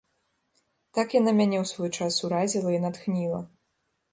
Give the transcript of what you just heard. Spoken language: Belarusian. Так яна мяне ў свой час уразіла і натхніла.